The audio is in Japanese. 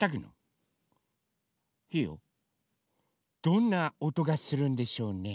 どんなおとがするんでしょうね？